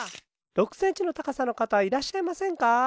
６センチの高さの方いらっしゃいませんか？